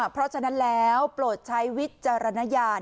เพราะฉะนั้นแล้วโปรดใช้วิจารณญาณ